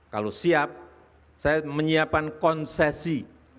kalau siap saya menyiapkan konsesi